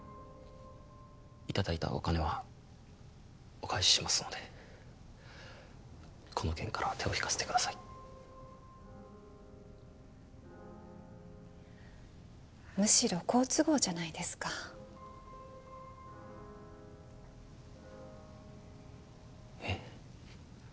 いただいたお金はお返ししますのでこの件からは手を引かせてくださいむしろ好都合じゃないですかえっ？